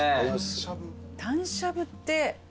たんしゃぶって。